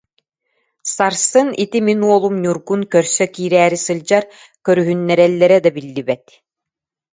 Сарсын ити мин уолум Ньургун көрсө киирээри сылдьар, көрүһүннэрэллэрэ да биллибэт